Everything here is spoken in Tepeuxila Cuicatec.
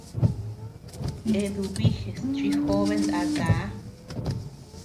Eduviges chi jobe ndata.